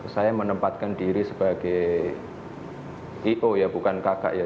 saya menempatkan diri sebagai i o ya bukan kakak ya